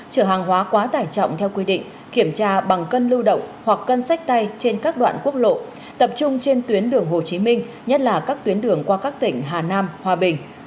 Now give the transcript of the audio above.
trở hàng hóa quá tải trọng theo quy định kiểm tra bằng cân lưu động hoặc cân sách tay trên các đoạn quốc lộ tập trung trên tuyến đường hồ chí minh nhất là các tuyến đường qua các tỉnh hà nam hòa bình